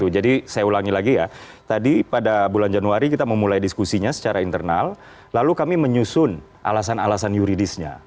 jadi saya ulangi lagi ya tadi pada bulan januari kita memulai diskusinya secara internal lalu kami menyusun alasan alasan yuridisnya